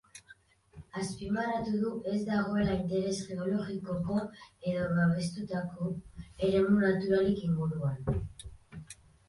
Azpimarratu du ez dagoela interes geologikoko edo babestutako eremu naturalik inguruan.